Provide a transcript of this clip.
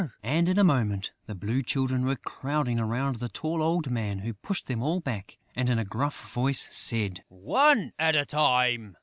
And, in a moment, the Blue Children were crowding round the tall old man, who pushed them all back and, in a gruff voice, said: "One at a time!...